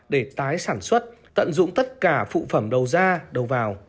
để tái sản xuất tận dụng tất cả phụ phẩm đầu ra đầu vào